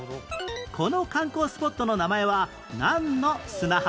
この観光スポットの名前はなんの砂浜？